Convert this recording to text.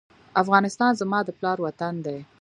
افغانستان زما د پلار وطن دی؟